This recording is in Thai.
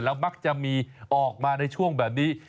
มักจะมีออกมาในช่วงแบบนี้